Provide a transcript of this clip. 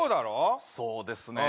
そうですね